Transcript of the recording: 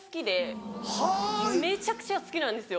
めちゃくちゃ好きなんですよ。